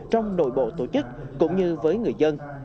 trong nội bộ tổ chức cũng như với người dân